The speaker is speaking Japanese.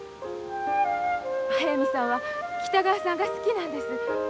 速水さんは北川さんが好きなんです。